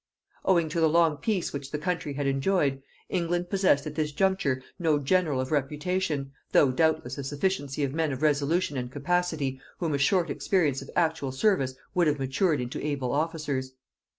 Owing to the long peace which the country had enjoyed, England possessed at this juncture no general of reputation, though, doubtless, a sufficiency of men of resolution and capacity whom a short experience of actual service would have matured into able officers.